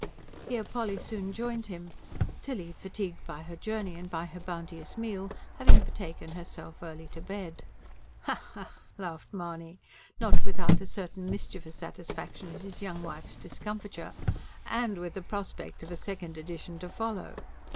Here Polly soon joined him, Tilly, fatigued by her journey and by her bounteous meal, having betaken herself early to bed. "Ha, ha!" laughed Mahony, not without a certain mischievous satisfaction at his young wife's discomfiture. "And with the prospect of a second edition to follow!"